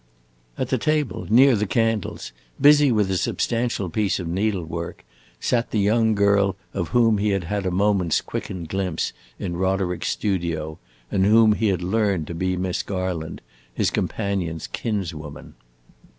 At the table, near the candles, busy with a substantial piece of needle work, sat the young girl of whom he had had a moment's quickened glimpse in Roderick's studio, and whom he had learned to be Miss Garland, his companion's kinswoman.